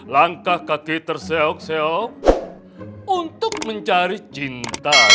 langkah kaki terseok seok untuk mencari cinta